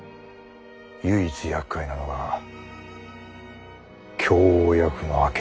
唯一やっかいなのが供応役の明智。